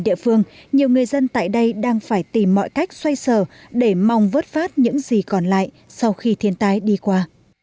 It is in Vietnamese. địa phương nhiều người dân tại đây đang phải tìm mọi cách xoay sờ để mong vớt phát những gì còn lại sau khi thiên tai đi qua